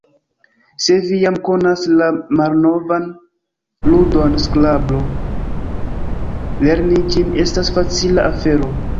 Se vi jam konas la malnovan ludon Skrablo, lerni ĝin estas facila afero.